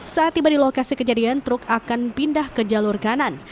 saat tiba di lokasi kejadian truk akan pindah ke jalur kanan